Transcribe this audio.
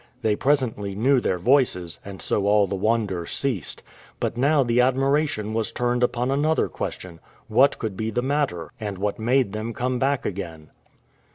They presently knew their voices, and so all the wonder ceased. But now the admiration was turned upon another question What could be the matter, and what made them come back again?